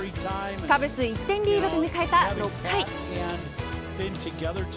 カブス１点リードで迎えた６回。